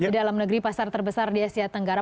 di dalam negeri pasar terbesar di asia tenggara